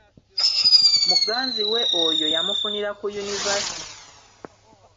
Muganzi we oyo yamufunira ku yunivaasite.